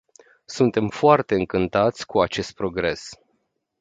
Suntem foarte încântați de acest progres.